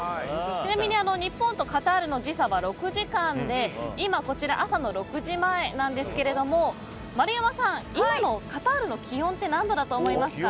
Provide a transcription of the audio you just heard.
ちなみに日本とカタールの時差は６時間で今、こちらは朝の６時前なんですけれども丸山さん、今のカタールの気温って何度だと思いますか？